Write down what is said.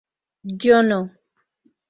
Yo no.